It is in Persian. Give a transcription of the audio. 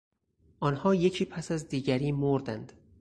آنها یکی پس از دیگری مردند.